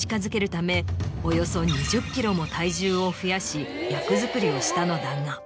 およそ２０ｋｇも体重を増やし役作りをしたのだが。